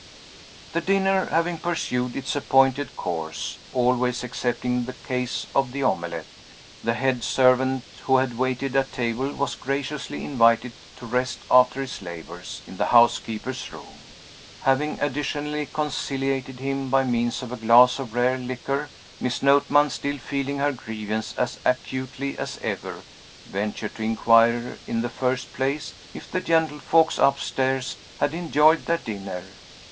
The dinner having pursued its appointed course (always excepting the case of the omelet), the head servant who had waited at table was graciously invited to rest, after his labors, in the housekeeper's room. Having additionally conciliated him by means of a glass of rare liqueur, Miss Notman, still feeling her grievance as acutely as ever, ventured to inquire, in the first place, if the gentlefolks upstairs had enjoyed their dinner.